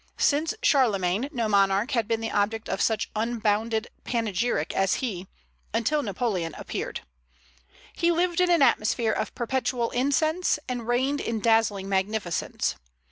Since Charlemagne, no monarch had been the object of such unbounded panegyric as he, until Napoleon appeared. He lived in an atmosphere of perpetual incense, and reigned in dazzling magnificence.